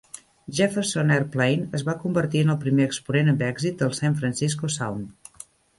Jefferson Airplane es va convertir en el primer exponent amb èxit del San Francisco Sound.